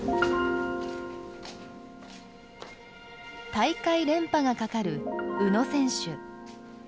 大会連覇がかかる宇野選手。